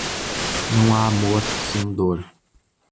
Não há amor sem dor.